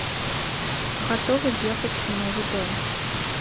Гатовы ехаць у новы дом.